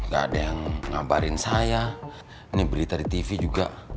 gak ada yang ngabarin saya ini berita di tv juga